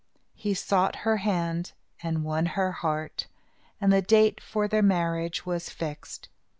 He sought her hand, and won her heart, and the date for the marriage was fixed.